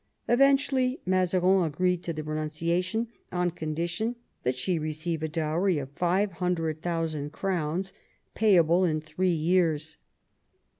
Eventually Mazarin agreed to the renunciation, on condition that she received a dowry of 500,000 crowns, payable in three years.